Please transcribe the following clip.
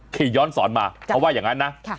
ขี่ย้อนสอนมาเขาว่าอย่างนั้นนะ